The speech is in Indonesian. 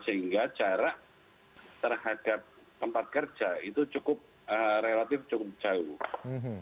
sehingga jarak terhadap tempat kerja itu cukup relatif cukup jauh